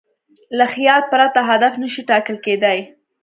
له خیال پرته هدف نهشي ټاکل کېدی.